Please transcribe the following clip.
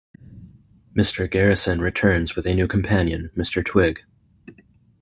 Mr. Garrison returns with a new companion, Mr. Twig.